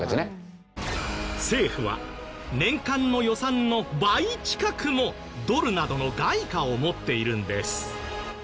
政府は年間の予算の倍近くもドルなどの外貨を持っているんです。